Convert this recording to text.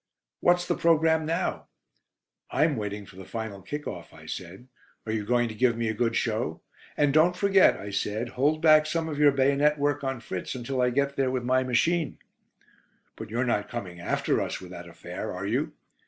"What's the programme now?" "I am waiting for the final kick off," I said. "Are you going to give me a good show? And don't forget," I said, "hold back some of your bayonet work on Fritz until I get there with my machine." "But you're not coming after us with that affair, are you?"